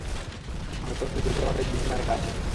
হয়তো ফিরে যাওয়াটাই বুদ্ধিমানের কাজ হবে!